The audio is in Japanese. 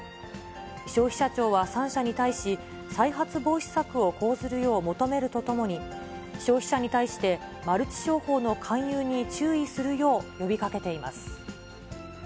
消費者庁は３社に対し、再発防止策を講ずるよう求めるとともに、消費者に対してマルチ商法の勧誘に注意するよう呼びかけています。